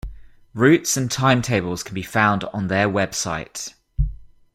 Routes and timetables can be found on their website.